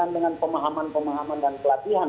dengan pemahaman pemahaman dan pelatihan